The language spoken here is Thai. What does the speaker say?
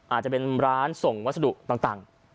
อาจจะเป็นร้านส่งวัสดุต่าง